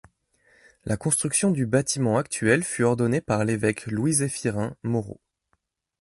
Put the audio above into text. La construction du bâtiment actuel fut ordonnée par l'évêque Louis-Zéphirin Moreau.